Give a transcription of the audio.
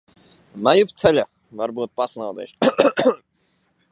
Mājupceļā varbūt pasnaudīšu.